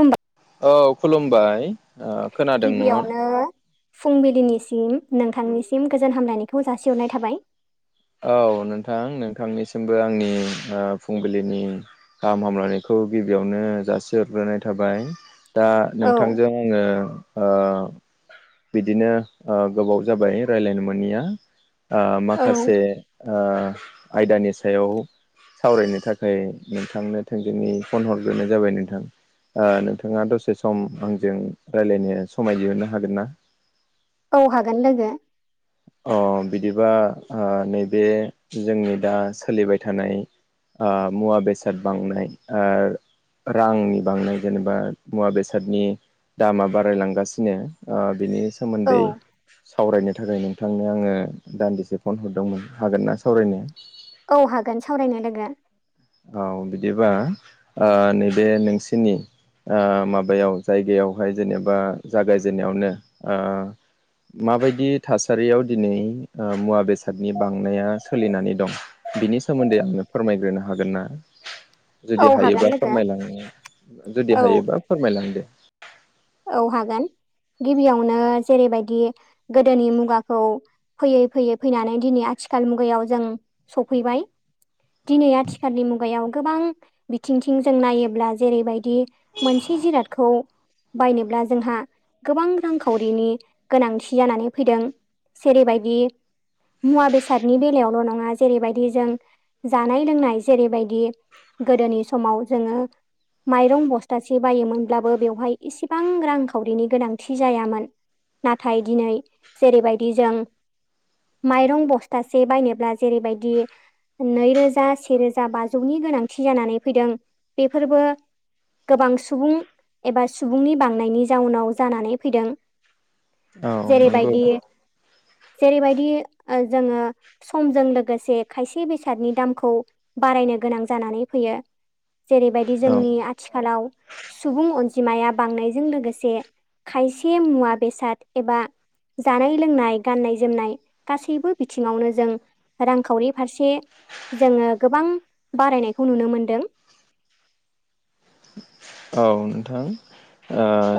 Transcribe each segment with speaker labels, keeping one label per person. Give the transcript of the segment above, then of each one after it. Speaker 1: होमबा
Speaker 2: औ खुलुमबाय ओ खोनादों नङा
Speaker 1: गिबियावनो फुंबिलिनिसिम नोंथांनिसिम गोजोन हामलायनायखौ जासिहरनाय थाबाय
Speaker 2: औ नोंथां नोंथांनिसिमबो आंनि ओ फुंबिलिनि गाहाम हामलायनायखौ गिबियावनो जासिहरग्रोनाय थाबाय दा
Speaker 1: औ
Speaker 2: नोंथांजों आङो ओ बिदिनो ओ गोबाव जाबाय रायज्लायनो मोनैया ओ
Speaker 1: औ
Speaker 2: माखासे ओ आयदानि सायाव सावरायनो थाखाय नोंथांनो थोंजोङै फन हरग्रोनाय जाबाय नोंथां ओ नोंथाङा दसे सम आंजों रायज्लायनो समाय दिहुननो हागोन ना
Speaker 1: औ हागोन लोगो
Speaker 2: अ बिदिबा ओ नैबे जोंनि दा सोलिबाय थानाय ओ मुवा बेसाद बांनाय ओ रांनि बांनाय जेनेबा मुवा बेसादनि दामा बारायलांगासिनो ओ बिनि
Speaker 1: औ
Speaker 2: सोमोन्दै सावरायनो थाखाय नों नोंथांनो आङो दान्दिसे फन हरदोंमोन हागोनना सावरायनो
Speaker 1: औ हागोन सावरायनो लोगो
Speaker 2: औ बिदिबा ओ नैबे नोंसिनि ओ माबायाव जायगायावहाय जेनेबा जागायजेनन्नायावनो ओ माबायदि थासारियाव दिनै ओ मुवा बेसादनि बांनाया सोलिनानै दं बिनि सोमोन्दै आंनो फोरमायग्रोनो हा हागोन ना
Speaker 1: औ
Speaker 2: जुदि
Speaker 1: हागोन
Speaker 2: हायोबा
Speaker 1: लोगो
Speaker 2: फोरमायलाङो जुदि
Speaker 1: औ
Speaker 2: हायोबा फोरमायलांदो
Speaker 1: औ हागोन गिबियावनो जेरैबायदि गोदोनि मुगाखौ फैयै फैयै फैनानै दिनै आथिखाल मुगायाव जों सफैबाय दिनै आथिखालनि मुगायाव गोबां बिथिंथिं जों नायोब्ला जेरैबायदि मोनसे जिरादखौ बायनोब्ला जोंहा गोबां रांखावरिनि गोनांथि जानानै फैदों। जेरैबायदि मुवा बेसादनि बेलायावल' नङा जेरैबायदि जों जानाय लोंनाय जेरैबायदि गोदोनि समाव जोङो माइरं बस्थासे बायोमोनब्लाबो बेवहाय इसिबां रांखावरिनि गोनांथि जायामोन। नाथाय दिनै जेरैबायदि जों माइरं बस्थासे बायनोब्ला जेरैबायदि नै रोजा सेे रोजा बाजौनि गोनांथि जानानै फैदों बेफोरबो गोबां सुबुं एबा सुबुंनि बांनायनि जाउनाव जानानै फैदों।
Speaker 2: औ नंगौ
Speaker 1: जेरैबायदि जेरैबायदि जोङो समजों लोगोसे खायसे बेसादनि दामखौ बारायनो गोनां जानानै फैयो। जेरैबायदि
Speaker 2: औ
Speaker 1: जोंनि आथिखालाव सुबुं अनजिमाया बांनायजों लोगोसे खायसे मुवा बेसाद एबा जानाय लोंनाय गाननाय जोमनाय गासैबो बिथिङावनो जों रांखावरि फारसे जोङो गोबां बारायनायखौ नुनो मोनदों।
Speaker 2: औ नोंथां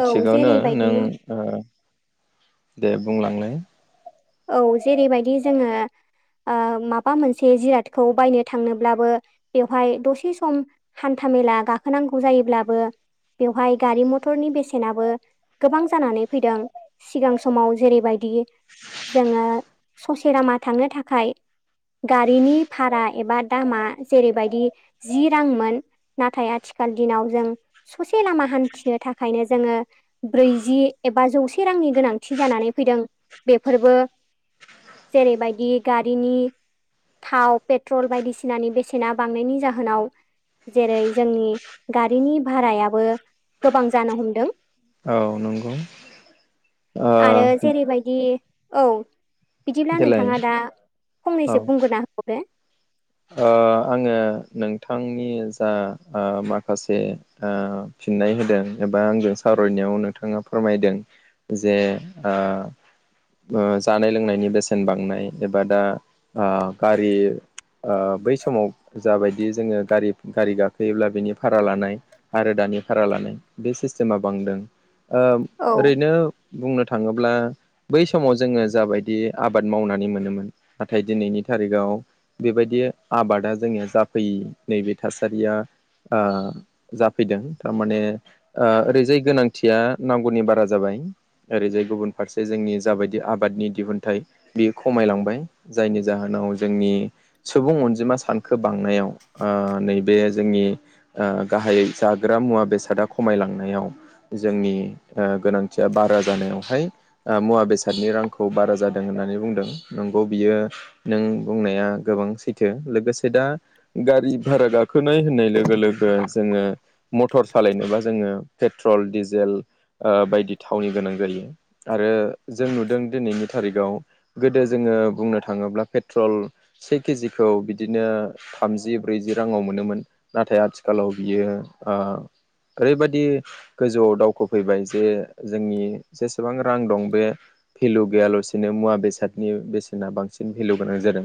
Speaker 1: औ
Speaker 2: थिगावनो
Speaker 1: जेरैबायदि
Speaker 2: नों ओ दे बुंलांलाय
Speaker 1: औ जेरैबायदि जोङो ओ माबा मोनसे जिरादखौ बायनो थांनोब्लाबो बेवहाय दसे सम हान्थामेला गाखोनांगौ जायोब्लाबो बेवहाय गारि मथरनि बेसेनाबो गोबां जानानै फैदों। सिगां समाव जेरैबायदि जोङो ससे लामा थांनो थाखाय गारिनि भारा एबा दामा जेरैबायदि जि रांमोन नाथाय आथिखाल दिनाव जों ससे लामा हान्थिनो थाखायनो जोङो ब्रैजि एबा जौसे रांनि गोनांथि जानानै फैदों बेफोरबो जेरैबायदि गारिनि थाव पेट्रल बायदिसिनानि बेसेना बांनायनि जाहोनाव जेरै जोंनि गारिनि भारायाबो गोबां जानो हमदों।
Speaker 2: औ नंगौ। ओ
Speaker 1: आरो जेरैबायदि औ बिदिब्ला
Speaker 2: देलाय
Speaker 1: नोंथाङा दा
Speaker 2: औ
Speaker 1: फंनैसो बुंग्रोना होबावदो।
Speaker 2: ओ आङो नोंथांनि जा ओ माखासे ओ फिननाय होदों एबा आंजों सावरायनायाव नोंथाङा फोरमायदों जे ओ ओ जानाय लोंनायनि बेसेन बांनाय एबा दा ओ गारि ओ बै समाव जाबायदि जोङो गारि गारि गाखोयोब्ला बिनि भारा लानाय आरो दानि भारा लानाय बे सिस्टेमा बांदों ओ
Speaker 1: औ
Speaker 2: ओरैनो बुंनो थाङोब्ला बै समाव जोङो जाबायदि आबाद मावनानै मोनोमोन नाथाय दिनैनि थारिखआव बेबायदि आबादा जोंनिया जाफैयि नैबे थासारिया आ जाफैदों थारमाने ओ ओरैजाय गोनांथिया नांगौनि बारा जाबाय। ओरैजाय गुबुन फारसे जोंनि जाबायदि आबादनि दिहुनथाइ बेयो खमायलांबाय जायनि जाहोनाव जोंनि सुबुं अनजिमा सानखो बांनायाव ओ नै बे जोंनि ओ गाहायै जाग्रा मुवा बेसादा खमायलांनायाव जोंनि ओ गोनांथिया बारा जानायावहाय ओ मुवा बेसादनि रांखौ बारा जादों होननानै बुंदों नंगौ बियो नों बुंनाया गोबां सैथो लोगोसे दा गारि भारा गाखोनाय होननाय लोगो लोगो जोङो मटर सालायनोबा जोङो पेट्रल डिजेल ओ बायदि थावनि गोनां जायो। आरो जों नुदों दिनैनि थारिखाव गोदो जोङो बुंनो थाङोब्ला पेट्रल से केजिखौ बिदिनो थामजि ब्रैजि राङाव मोनोमोन। नाथाय आथिखालाव बियो ओ ओरैबायदि गोजौआव दावखोफैबाय जे जोंनि जेसेबां रां दं बे भेलु गैयालासिनो मुवा बेसादनि बेसेना बांसिन भेलु गोनां जादों।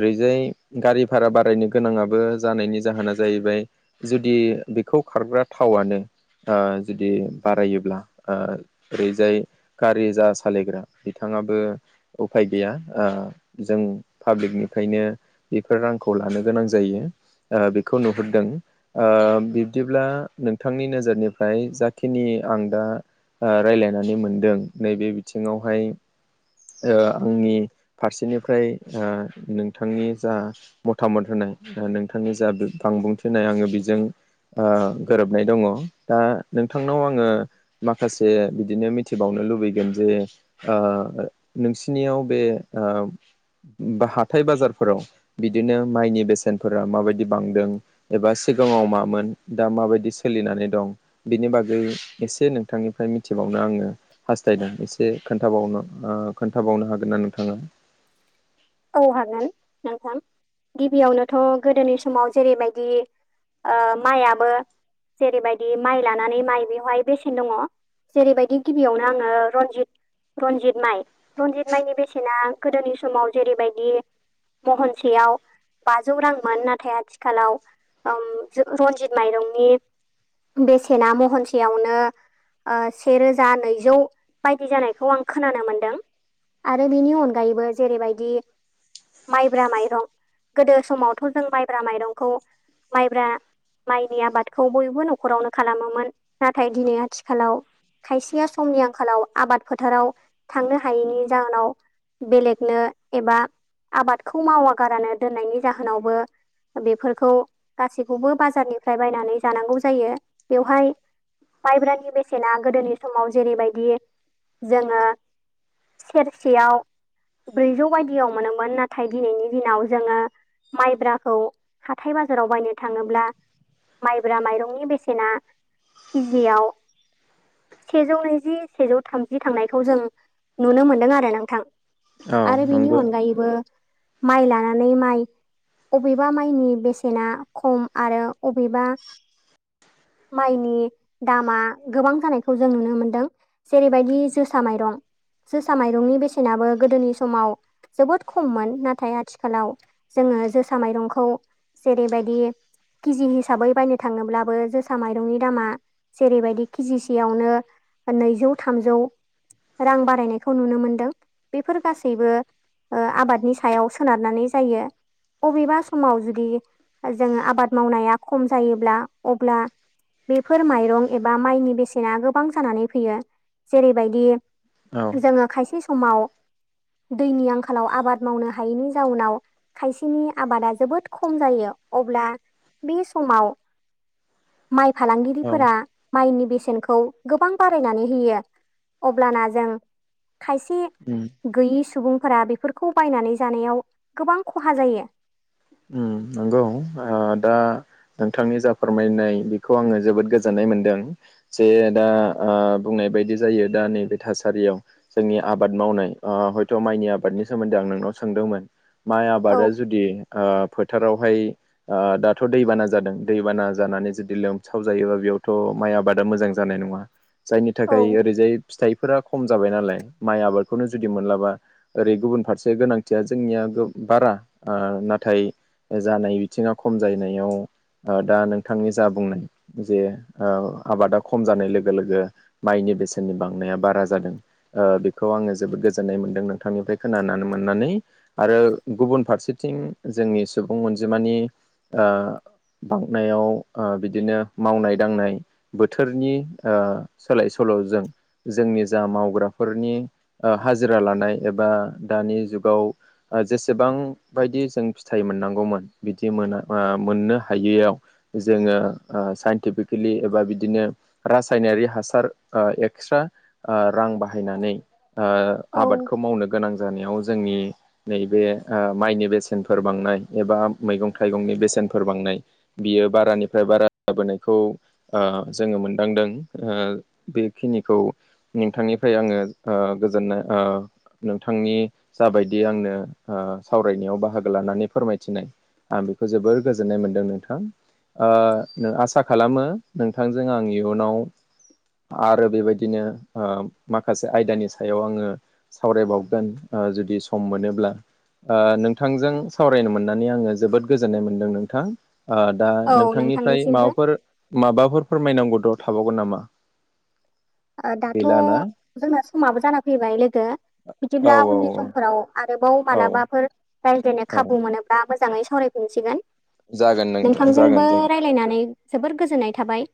Speaker 2: ओरैजाय गारि भारा बारायनो गोनाङाबो जानायनि जाहोना जाहैबाय जुदि बेखौ खारग्रा थावानो ओ जुदि बारायोब्ला ओरैजाय गारि जा सालायग्रा बिथाङाबो उफाय गैया ओ जों पाब्लिकनि फायनो बेफोर रांखौ लानो गोनां जायो बेखौ नुहुरदों। ओ बिब्दिब्ला नोंथांनि नोजोरनिफ्राय जाखिनि आं दा ओ रायलायनानै मोनदों नैबे बिथिङावहाय ओ आंनि फारसेनिफ्राय ओ नोंथांनि जा मथामत होनाय नोंथांनि जा बांबुंथि होनाय आङो बेजों ओ गोरोबनाय दङ दा नोंथांनाव आङो माखासे बिदिनो मिथिबावनो लुबैगोन जे ओ नोंसिनियाव बे ओ हाथाइ बाजारफोराव बिदिनो माइनि बेसेनफोरा माबायदि बांदों एबा सिगाङाव मामोन दा माबायदि सोलिनानै दं बिनि बागै एसे नोंथांनिफ्राय मिथिबावनो आङो हास्थायदों एसे खोन्थाबावनो ओ खोन्थाबावनो हागोन ना नोंथाङा
Speaker 1: औ हागोन नोंथां गिबियावनोथ' गोदोनि समाव जेरैबायदि ओमाइयाबो जेरैबायदि माइ लानानै माइ बेवहाय बेसेन दङ। जेरैबायदि गिबियावनो आङो रनजित रनजित माइ रनजित माइनि बेसेना गोदोनि समाव जेरैबायदि महनसेयाव बाजौ रांमोन नाथाय आथिखालाव ओम जो रनजित माइरंनि बेसेना महनसेयावनो ओ सेेरोजा नैजौ बायदि जानायखौ आं खोनानो मोनदों। आरो बिनि अनगायैबो जेरैबायदि माइब्रा माइरं गोदो समावथ' जों माइब्रा माइरंखौ माइब्रा माइनि आबादखौ बयबो न'खरावनो खालामोमोन नाथाय दिनै आथिखालाव खायसेया समनि आंखालाव आबाद फोथाराव थांनो हायैनि जाहोनाव बेलेगनो एबा आबादखौ मावा गारानो दोननायनि जाहोनावबो बेफोरखौ गासैखौबो बाजारनिफ्राय बायनानै जानांगौ जायो बेवहाय माइब्रानि बेसेना गोदोनि समाव जेरैबायदि जोङो सेरसेयाव ब्रैजौ बायदियाव मोनोमोन नाथाय दिनैनि दिनाव जोङो माइब्राखौ हाथाय बाजाराव बायनो थाङोब्ला माइब्रा माइरंनि बेसेना किजियाव सेजौ नैजि सेजौ थामजि थांनायखौ जों नुनो मोनदों आरो नोंथां।
Speaker 2: औ
Speaker 1: आरो बेनि
Speaker 2: नंगौ
Speaker 1: अनगायैबो माइ लानानै माइ अबेबा माइनि बेसेना खम आरो अबेबा माइनि दामा गोबां जानायखौ जों नुनो मोनदों। जेरैबायदि जोसा माइरं जोसा माइरंनि बेसेनाबो गोदोनि समाव जोबोद खममोन नाथाय आथिखालाव जोङो जोसा माइरंखौ जेरैबायदि किजि हिसाबै बायनो थाङोब्लाबो जोसा माइरंनि दामा जेरैबायदि किजि सेआवनो नैजौ थामजौ रां बारायनायखौ नुनो मोनदों। बेफोर गासै बो आबादनि सायाव सोनारनानै जायो। अबेबा समाव जुदि जोङो आबाद मावनाया खम जायोब्ला अब्ला बेफोर माइरं एबा माइनि बेसेना गोबां जानानै फैयो जेरैबायदि
Speaker 2: औ।
Speaker 1: जोङो खायसे समाव दैनि आंखालाव आबाद मावनो हायैनि जाउनाव खायसेनि आबादा जोबोद खम जायो अब्ला बे समाव माइ
Speaker 2: औ
Speaker 1: फालांगिरिफोरा माइनि बेसेनखौ गोबां बारायनानै होयो अब्लाना जों खायसे
Speaker 2: उम।
Speaker 1: गैयि सुबुंफोरा बेफोरखौ बायनानै जानायाव गोबां खहा जायो।
Speaker 2: उम नंगौ आ दा नोंथांनि जा फोरमायनाय बेखौ आङो जोबोद गोजोननाय मोनदों। जे दा बुंनाय बायदि जायो दा नैबे थासारियाव जोंनि आबाद मावनाय आ हयथ' माइनि आबादनि सोमोन्दै आं नोंनाव सोंदोंमोन माइ
Speaker 1: औ
Speaker 2: आबादा जुदि ओ फोथारावहाय ओ दाथ' दैबाना जादों दैबाना जानानै जुदि लोमसाव जायोबा बेयावथ' माइ आबादा मोजां जानाय नङा, जायनि
Speaker 1: औ
Speaker 2: थाखाय ओरैजाय फिथाइ फोरा खम जाबाय नालाय माइ आबादखौनो जुदि मोनलाबा ओरै गुबुन फारसे गोनांथिया जोंनिया गो-बारा ओ ना थाय जानाय बिथिङा खम जायैनायाव ओ दा नोंथांनि जा बुंनाय जे औ आबादा खम जानाय लोगो लोगो माइनि बेसेननि बांनाया बारा जादों ओ बेखौ आङो जोबोद गोजोननाय मोनदों नोंथांनिफ्राय खोनानानै मोननानै आरो गुबुन फारसेथिं जोंनि सुबुं अनजिमानि ओ बांनायाव ओ बिदिनो मावनाय दांनाय बोथोरनि ओ सोलाय सोल'जों जोंनि जा मावग्राफोरनि ओ हाजिरा लानाय एबा दानि जुगाव ओ जेसेबां बायदि जों फिथाइ मोननांगौमोन बिदि मोना ओ मोननो हायैयाव जोङो ओ साइन्टिपिकेलि एबा बिदिनो रासायनारि हासार ओ एक्सट्रा ओ रां बाहायनानै ओ
Speaker 1: औ
Speaker 2: आबादखौ मावनो गोनां जानायाव जोंनि नैबे ओ माइनि बेस् एनफोर बांनाय एबा मैगं थाइगंनि बेसेनफोर बांनाय बियो बारानिफ्राय बारा जाबोनायखौ ओ जोङो मोन्दांदों ओ बेखिनिखौ नोंथांनिफ्राय आङो ओ गोजोनो ओ नोंथांनि जाबायदि आंनो ओ सावरायनायाव बाहा गो लानानै फोरमायथिनाय आं बेखौ जोबोर गोजोननाय मोन्दों नोंथां। आ आसा खालामो नोंथांजों आं इयुनाव आरो बेबायदिनो ओ माखासे आयदानि सायाव आङो सावरायबावगोन ओ जुदि सम मोनोब्ला ओ नों थांजों सावरायनो मोननानै आङो जोबोद गोजोननाय मोनदों नोंथां ओ दा
Speaker 1: औ
Speaker 2: नोंथांनिफ्राय
Speaker 1: नोंथांनिसिमबो
Speaker 2: माबाफोर माबाफोर फोरमायनांगौ द' थाबावगोन नामा?
Speaker 1: ओ दाथ'
Speaker 2: गैला ना?
Speaker 1: जोंना समाबो जाना फैबाय लोगो,
Speaker 2: औ
Speaker 1: बिदिब्ला
Speaker 2: औ
Speaker 1: उननि समफोराव आरोबाव
Speaker 2: औ
Speaker 1: मालाबाफोर रायज्लायनो
Speaker 2: औ
Speaker 1: खाबु मोनोब्ला मोजाङै सावरायफिनसिगोन।
Speaker 2: जागोन नोंथां जागोन
Speaker 1: नोंथांजोंबो
Speaker 2: जागोन।
Speaker 1: रायलायनानै जोबोर गोजोननाय थाबाय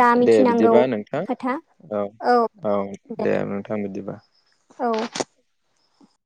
Speaker 1: जा
Speaker 2: दे
Speaker 1: मिथिनांगौ
Speaker 2: बिदिबा नोंथां
Speaker 1: खोथा
Speaker 2: औ
Speaker 1: औ
Speaker 2: औ दे नोंथां बिदिबा
Speaker 1: औ